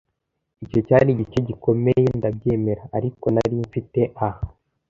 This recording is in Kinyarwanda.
Icyo cyari igice gikomeye, ndabyemera, ariko nari mfite a